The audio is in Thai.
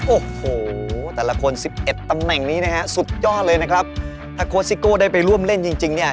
โอ้โหแต่ละคนสิบเอ็ดตำแหน่งนี้นะฮะสุดยอดเลยนะครับถ้าโค้ชซิโก้ได้ไปร่วมเล่นจริงจริงเนี่ย